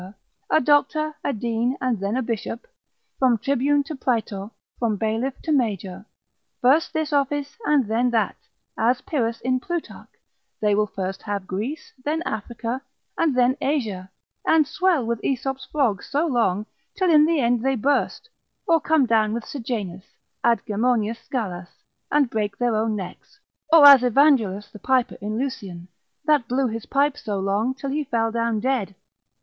a doctor, a dean, and then a bishop; from tribune to praetor; from bailiff to major; first this office, and then that; as Pyrrhus in Plutarch, they will first have Greece, then Africa, and then Asia, and swell with Aesop's frog so long, till in the end they burst, or come down with Sejanus, ad Gemonias scalas, and break their own necks; or as Evangelus the piper in Lucian, that blew his pipe so long, till he fell down dead.